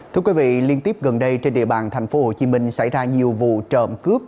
thưa quý vị liên tiếp gần đây trên địa bàn tp hcm xảy ra nhiều vụ trộm cướp